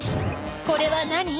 これは何？